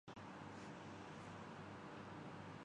common wealth games hockey Pakistan نے ساتویں position حاصل کر لی